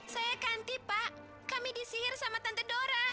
saya ganti pak kami disihir sama tante dora